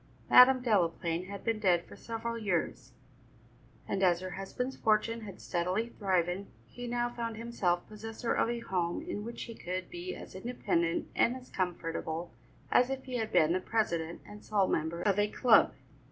Madam Delaplaine had been dead for several years, and as her husband's fortune had steadily thriven, he now found himself possessor of a home in which he could be as independent and as comfortable as if he had been the president and sole member of a club.